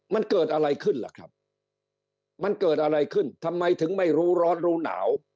มันเกิดอะไรขึ้นล่ะครับมันเกิดอะไรขึ้นทำไมถึงไม่รู้ร้อนรู้หนาว